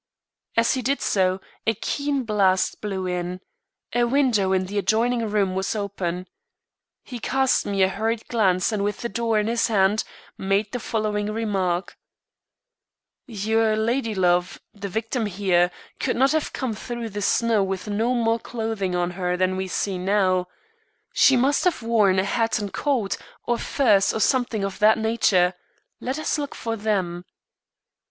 As he did so, a keen blast blew in; a window in the adjoining room was open. He cast me a hurried glance and with the door in his hand, made the following remark: "Your lady love the victim here could not have come through the snow with no more clothing on her than we see now. She must have worn a hat and coat or furs or something of that nature. Let us look for them."